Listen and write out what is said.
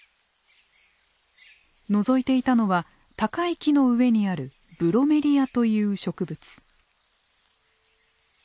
のぞいていたのは高い木の上にあるブロメリアという植物。